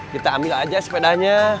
kita ambil aja sepedanya